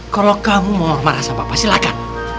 kalau kamu mau marah sama papa silakan